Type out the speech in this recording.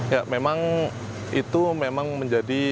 ya memang itu memang menjadi